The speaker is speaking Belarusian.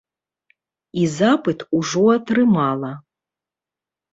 І запыт ужо атрымала.